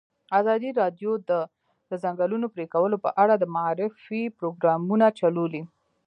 ازادي راډیو د د ځنګلونو پرېکول په اړه د معارفې پروګرامونه چلولي.